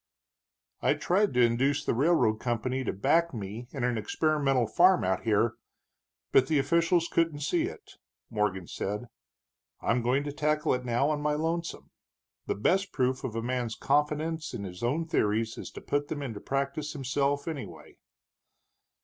"I tried to induce the railroad company to back me in an experimental farm out here, but the officials couldn't see it," Morgan said. "I'm going to tackle it now on my lonesome. The best proof of a man's confidence in his own theories is to put them into practice himself, anyway."